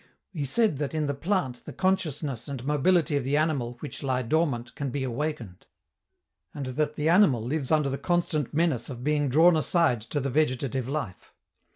We said that in the plant the consciousness and mobility of the animal, which lie dormant, can be awakened; and that the animal lives under the constant menace of being drawn aside to the vegetative life.